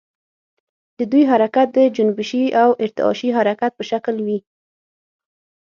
د دوی حرکت د جنبشي او ارتعاشي حرکت په شکل وي.